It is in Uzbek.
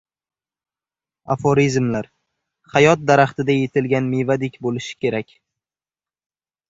Aforizmlar hayot daraxtida yetilgan mevadek bo‘lishi kerak.